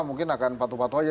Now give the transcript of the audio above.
mungkin akan patuh patuh aja